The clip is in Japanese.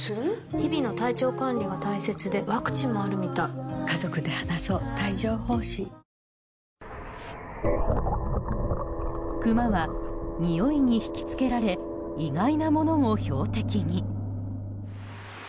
日々の体調管理が大切でワクチンもあるみたいクマはにおいに引き付けられ意外なものも標的に。